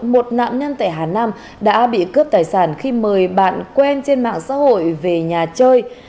một nạn nhân tại hà nam đã bị cướp tài sản khi mời bạn quen trên mạng xã hội về nhà chơi